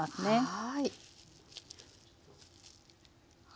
はい。